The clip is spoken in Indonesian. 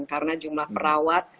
karena jumlah perawat